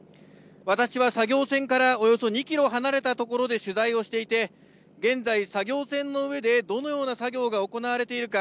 私は作業船からおよそ２キロ離れた所で取材をしていて現在、作業船の上でどのような作業が行われているか